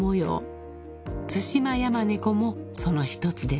ツシマヤマネコもその一つです］